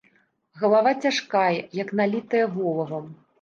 Галава цяжкая, як налітая волавам.